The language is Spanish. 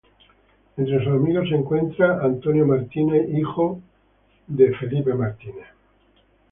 Entre sus amigos se encuentran Dwight Conrad, hijo de Hermes Conrad.